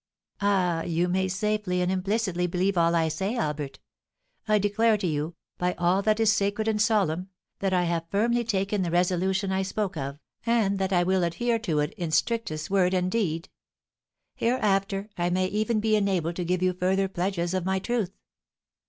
"Ah, you may safely and implicitly believe all I say, Albert! I declare to you, by all that is sacred and solemn, that I have firmly taken the resolution I spoke of, and that I will adhere to it in strictest word and deed. Hereafter I may even be enabled to give you further pledges of my truth."